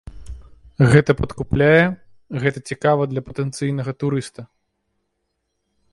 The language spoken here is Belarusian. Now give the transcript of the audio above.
Гэта падкупляе, гэта цікава для патэнцыйнага турыста.